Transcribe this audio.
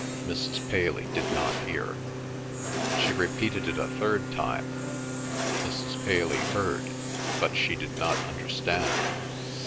Mrs. Paley did not hear. She repeated it a third time. Mrs. Paley heard, but she did not understand.